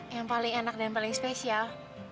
yang paling enak dan paling spesial